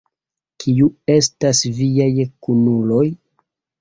Kiu estas viaj kunuloj?